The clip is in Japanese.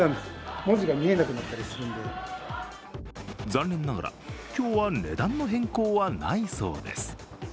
残念ながら、今日は値段の変更はないそうです。